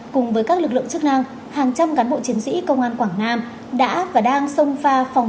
cùng với các lực lượng chức năng hàng trăm cán bộ chiến sĩ công an quảng nam đã và đang sông pha phòng